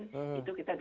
itu kita bisa supresi